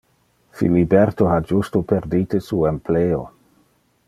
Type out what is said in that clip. Filiberto ha justo perdite su empleo.